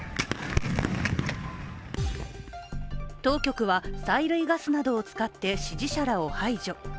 当局は催涙ガスなどを使って支持者らを排除。